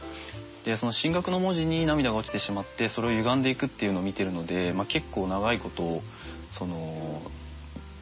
その「進学」の文字に涙が落ちてしまってそれを歪んでいくっていうのを見てるので結構長いことその時間を見てるわけですよね。